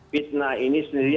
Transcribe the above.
fitnah ini sendiri